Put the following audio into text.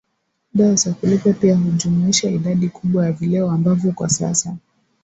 Dawa za kulevya pia hujumuisha idadi kubwa ya vileo ambavyo kwa sasa